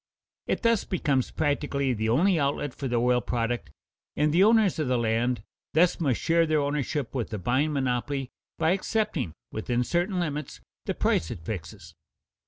It thus becomes practically the only outlet for the oil product, and the owners of the land thus must share their ownership with the buying monopoly by accepting, within certain limits, the price it fixes.